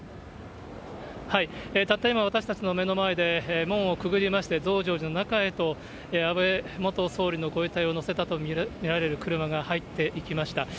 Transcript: たった今、私たちの目の前で、門をくぐりまして増上寺の中へと安倍元総理のご遺体を乗せたと見られる車が入っていきました。